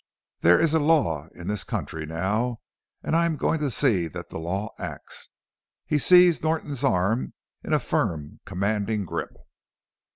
There is a law in this country now and I am going to see that the law acts!" He seized Norton's arm in a firm commanding grip.